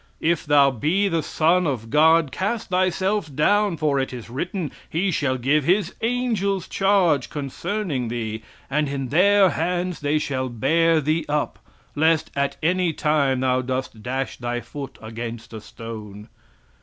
If thou be the Son of God, cast thyself down, for it is written, He shall give His angels charge concerning thee; and in their hands they shall bear thee up, lest at any time thou dash thy foot against a stone.